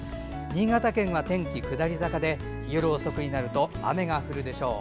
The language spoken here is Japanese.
新潟県は天気が下り坂で夜遅くになると雨が降るでしょう。